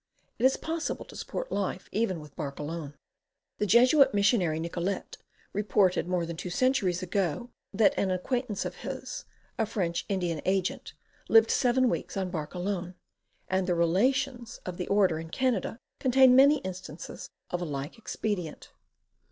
It is possible to support life even with bark alone. The Jesuit mis sionary Nicollet reported, more than two centuries ago, that an acquaintance of his, a French Indian agent, lived seven weeks on bark alone, and the Relations of the order, in Canada, contain many instances of a like expedient.